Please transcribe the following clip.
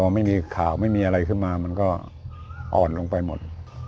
ไม่มีอะไรขึ้นมาก็อ่อนลงไปหมด